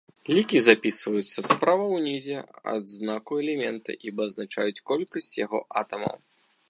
Лікі запісваюцца справа ўнізе ад знаку элемента і абазначаюць колькасць яго атамаў.